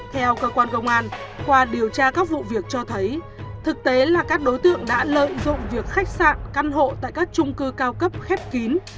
theo cơ quan công an qua điều tra các vụ việc cho thấy thực tế là các đối tượng đã lợi dụng việc khách sạn căn hộ tại các trung cư cao cấp khép kín